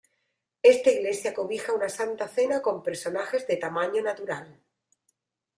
Esta iglesia cobija una Santa Cena con personajes de tamaño natural.